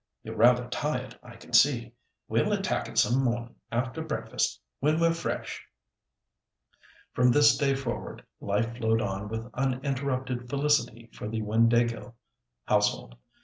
You're rather tired, I can see. We'll attack it some morning after breakfast, when we're fresh." From this day forward, life flowed on with uninterrupted felicity for the Windāhgil household.